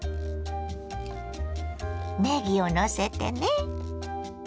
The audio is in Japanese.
ねぎをのせてね。